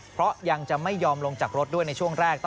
เพราะยังจะไม่ยอมลงจากรถด้วยในช่วงแรก